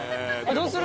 どうする？